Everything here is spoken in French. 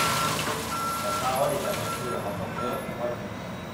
La parole est à Monsieur le rapporteur pour avis.